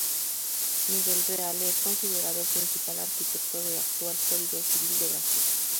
Miguel Reale es considerado el principal arquitecto del actual Código Civil de Brasil.